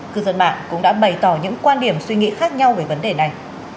cư dân mạng cũng đã bày tỏ những quan điểm suy nghĩ khác nhau về vấn đề này